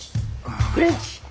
フレンチ！